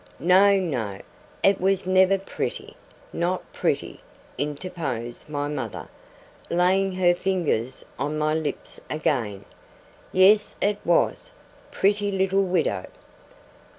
'No, no, it was never pretty. Not pretty,' interposed my mother, laying her fingers on my lips again. 'Yes it was. "Pretty little widow."